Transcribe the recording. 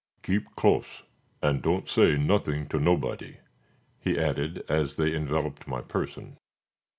"Keep close, and don't say nothing to nobody," he added, as they enveloped my person.